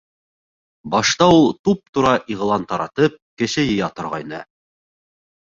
Башта ул, туп-тура иғлан таратып, кеше йыя торғайны.